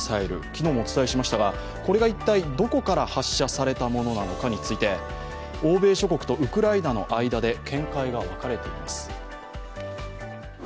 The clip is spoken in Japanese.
昨日もお伝えしましたがこれが一体どこから発射されたものなのかについて欧米諸国とウクライナの間で見解が分かれています。